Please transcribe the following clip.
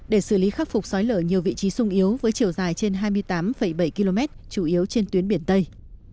để xử lý khắc phục xói lở nhiều vị trí sung yếu với chiều dài trên hai mươi tám bảy km chủ yếu trên tuyến biển tây